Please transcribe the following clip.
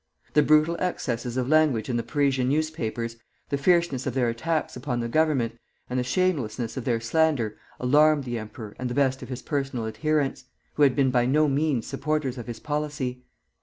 The brutal excesses of language in the Parisian newspapers, the fierceness of their attacks upon the Government, and the shamelessness of their slander, alarmed the emperor and the best of his personal adherents, who had been by no means supporters of his policy.